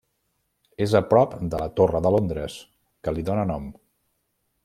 És a prop de la Torre de Londres, que li dóna nom.